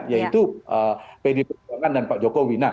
yaitu pdi perjuangan dan pak jokowi